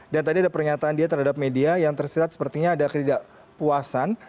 dan tadi ada pernyataan dia terhadap media yang terserat sepertinya ada ketidakpuasan